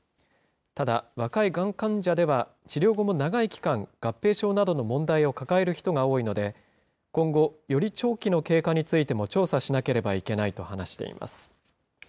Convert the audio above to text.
ただ若いがん患者では、治療後も長い期間、合併症などの問題を抱える人が多いので、今後、より長期の経過についても調査しなければいけないと話しています。